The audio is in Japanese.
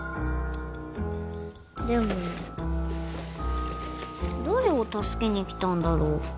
でも誰を助けに来たんだろう？